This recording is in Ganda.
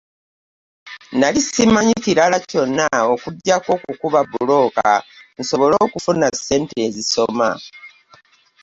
Nali simanyi kirala kyonna okuggyako okukuba bbulooka nsobole okufuna ssente ezisoma